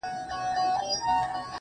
چي خپلي سپيني او رڼې اوښـكي يې~